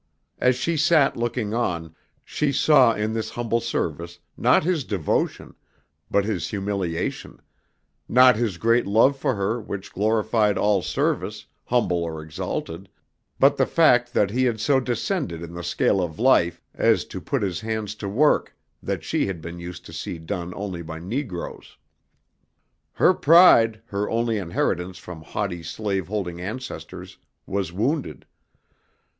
As she sat looking on, she saw in this humble service not his devotion, but his humiliation, not his great love for her which glorified all service humble or exalted, but the fact that he had so descended in the scale of life as to put his hand to work that she had been used to see done only by negroes. Her pride, her only inheritance from haughty slave holding ancestors, was wounded.